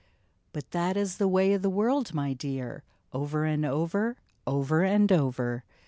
" But that is the way of the world, my dear ; Over and over, over and over.